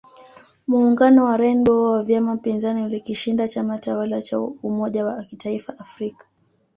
Muungano wa Rainbow wa vyama pinzani ulikishinda chama tawala cha umoja wa kitaifa Afrika